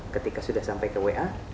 ketika sudah sampai ke wa